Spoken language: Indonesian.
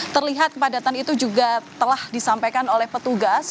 terlihat kepadatan itu juga telah disampaikan oleh petugas